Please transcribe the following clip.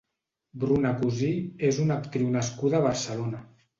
Bruna Cusí és una actriu nascuda a Barcelona.